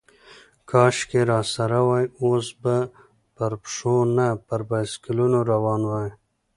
کاشکې راسره وای، اوس به پر پښو، نه پر بایسکلونو روان وای.